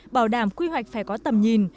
bảo đảm quy hoạch phải có tầm nhìn